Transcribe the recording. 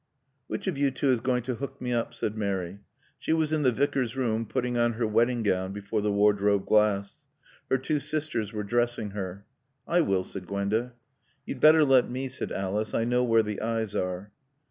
"Which of you two is going to hook me up?" said Mary. She was in the Vicar's room, putting on her wedding gown before the wardrobe glass. Her two sisters were dressing her. "I will," said Gwenda. "You'd better let me," said Alice. "I know where the eyes are."